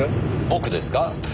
僕ですか？